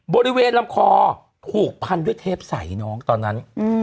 บริเวณลำคอถูกพันด้วยเทปใสน้องตอนนั้น